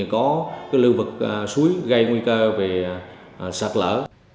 có cái lương vực suối gây nguy cơ về sạt lỡ